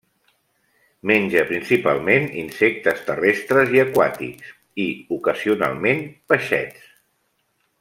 Menja principalment insectes terrestres i aquàtics, i, ocasionalment, peixets.